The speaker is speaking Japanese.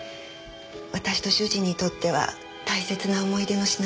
私と主人にとっては大切な思い出の品なんです。